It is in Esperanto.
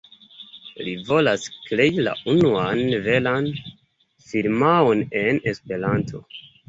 Ni volas krei la unuan veran firmaon en Esperanto.